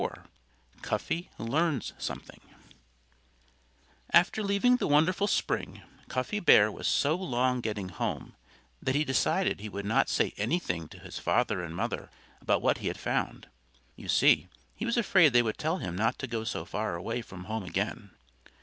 IV CUFFY LEARNS SOMETHING After leaving the wonderful spring Cuffy Bear was so long getting home that he decided he would not say anything to his father and mother about what he had found. You see he was afraid they would tell him not to go so far away from home again.